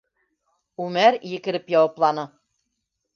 Үмәр екереп яуапланы: